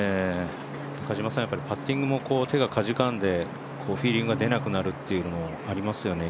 パッティングも手がかじかんでフィーリングが出なくなるというのもありますよね？